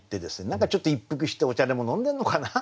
何かちょっと一服してお茶でも飲んでるのかな？